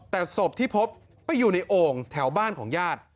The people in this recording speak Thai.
แต่ศพที่พบไปอยู่ในโอ่งแถวบ้านของญาติ